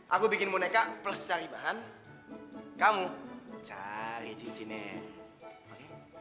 aku bikin boneka plus cari bahan kamu cari cincinnya